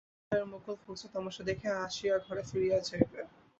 বাদশাহের মোগল ফৌজ তামাশা দেখিয়া হাসিয়া ঘরে ফিরিয়া যাইবে।